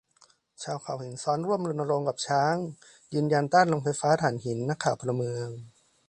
ชาวเขาหินซ้อนร่วมรณรงค์กับช้าง ยืนยันต้านโรงไฟฟ้าถ่านหิน นักข่าวพลเมือง